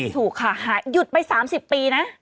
ถูกค่ะหยุดไป๓๐ปีนะ